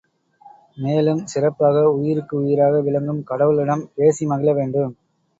மேலும் சிறப்பாக உயிருக்கு உயிராக விளங்கும் கடவுளிடம் பேசி மகிழ வேண்டும்.